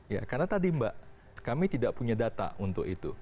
ya karena tadi mbak kami tidak punya data untuk itu